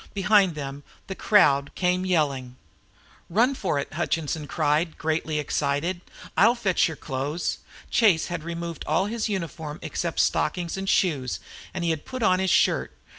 Behind them the crowd came yelling. "Run for it!" cried Hutchinson, greatly excited. "I'll fetch your clothes." Chase had removed all his uniform except stockings and shoes, and he had put on his shirt.